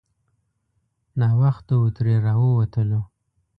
ناوخته وو ترې راووتلو.